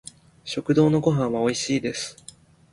食堂のご飯は美味しいです